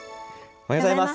おはようございます。